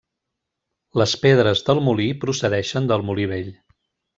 Les pedres del molí procedeixen del molí vell.